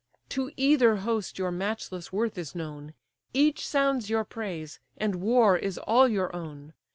To either host your matchless worth is known, Each sounds your praise, and war is all your own.